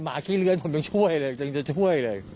ขี้เลื้อนผมยังช่วยเลยจริงจะช่วยเลย